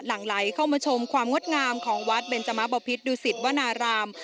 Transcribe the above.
หลังไหลเข้ามาชมความงดงามของวัดเบนจมะบพิษดุสิตวนาราม